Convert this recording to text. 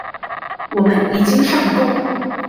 我們已經上工